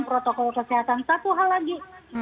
protokol kesehatan satu hal lagi